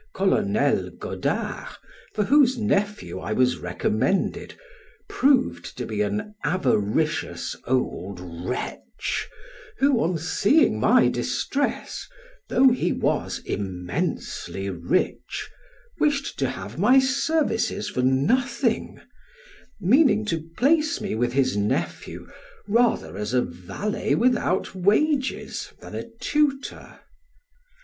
Colonel Godard for whose nephew I was recommended, proved to be an avaricious old wretch, who, on seeing my distress (though he was immensely rich), wished to have my services for nothing, meaning to place me with his nephew, rather as a valet without wages than a tutor.